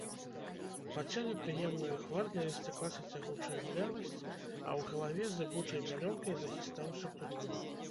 Па целе прыемнаю хваляй расцяклася цягучая млявасць, а ў галаве зыбучай пялёнкай захістаўся туман.